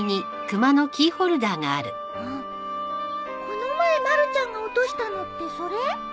この前まるちゃんが落としたのってそれ？